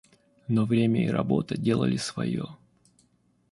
Но время и работа делали свое.